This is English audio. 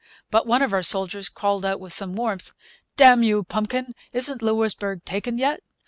But one of our soldiers called out with some warmth 'Damn you, Pumpkin, isn't Louisbourg taken yet?'